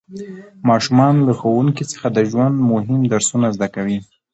ماشومان له ښوونکي څخه د ژوند مهم درسونه زده کوي